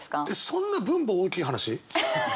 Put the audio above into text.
そんな分母大きい話？